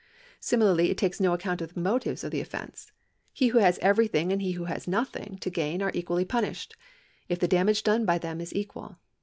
Similarly it takes no account of the motives of the olfence ; he who has everything and he who has nothing to gain are equally punished, if the damage done by them is equal.